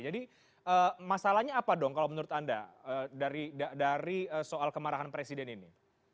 jadi masalahnya apa dong kalau menurut anda dari soal kemarahan presiden ini